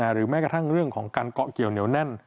หรือแม้กระทั่งเรื่องของการเกาะเกี่ยวเหนียวแน่น